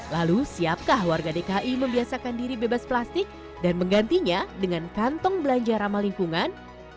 lalu siapkah warga dki membiasakan diri bebas plastik dan menggantinya dengan kantong belanja ramah lingkungan